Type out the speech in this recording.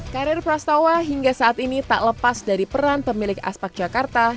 karir prastawa hingga saat ini tak lepas dari peran pemilik aspak jakarta